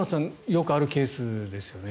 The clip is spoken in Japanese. よくあるケースですよね。